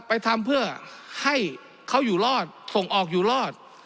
ไปทำเพื่อให้เขาอยู่รอดส่งออกอยู่รอด